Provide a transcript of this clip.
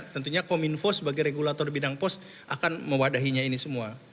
tentunya kominfo sebagai regulator bidang pos akan mewadahinya ini semua